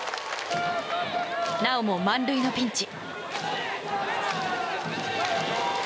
なおも満塁のピンチ。